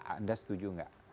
anda setuju tidak